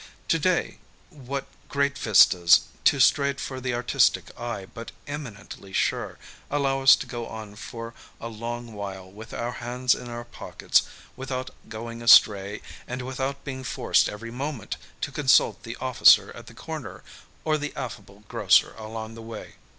To day, what great vistas, too straight for the artis tic eye but eminently sure, allow us to go on for a long while with our hands in our pockets without going astray and without being forced every moment to consult the of ficer at the comer or the affable grocer along the way.